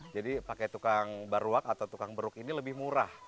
jadi pakai tukang baruak atau tukang beruk ini lebih murah